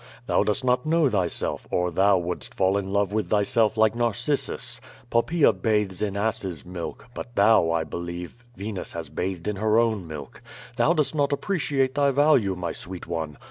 Thou dost not know thyself, or thou wouldst fall in love with thyself like Narcissus. Poppaea bathes in asses* milk, but thou, I believe, Venus has bathed in her own milk. Thou dost not appreciate thy value, my sweet one.